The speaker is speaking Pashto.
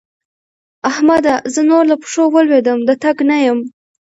احمده! زه نور له پښو ولوېدم - د تګ نه یم.